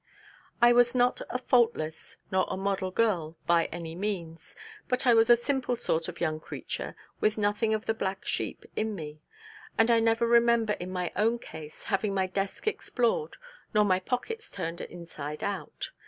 I was not a faultless, nor a model girl by any means: but I was a simple sort of young creature with nothing of the black sheep in me; and I never remember in my own case having my desk explored, nor my pockets turned inside out.